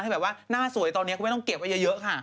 แบบว่าหน้าสวยตอนนี้คุณแม่ต้องเก็บไว้เยอะค่ะ